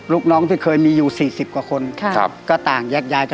ลูกน้องที่เคยมีอยู่๔๐กว่าคนก็ต่างแยกย้ายกัน